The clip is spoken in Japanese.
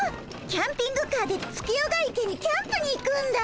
キャンピングカーで月夜が池にキャンプに行くんだ。